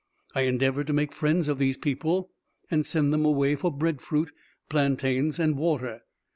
I endeavored to make friends of these people, and sent them away for bread fruit, plantains, and water.